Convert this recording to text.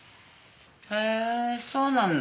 へえそうなんだ。